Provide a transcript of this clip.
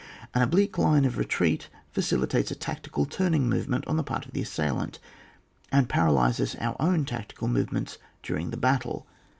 An oblique line of retreat facilitates a tactical turning movement on the part of the assailant, and paralyses our own tactical movements during the battle.